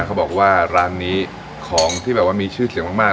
เขาบอกว่าร้านนี้ของที่แบบว่ามีชื่อเสียงมาก